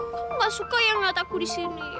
kamu gak suka yang ngeliat aku disini